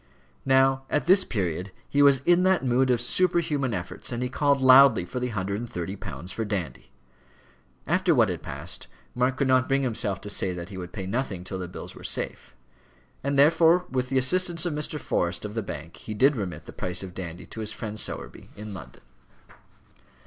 Now, at this period, he was in that mood of superhuman efforts, and he called loudly for the hundred and thirty pounds for Dandy. After what had passed, Mark could not bring himself to say that he would pay nothing till the bills were safe; and therefore with the assistance of Mr. Forrest of the Bank, he did remit the price of Dandy to his friend Sowerby in London.